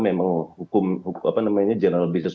memang hukum apa namanya general busines